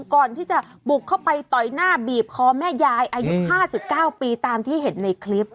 ก่อนที่จะบุกเข้าไปต่อยหน้าบีบคอแม่ยายอายุ๕๙ปีตามที่เห็นในคลิป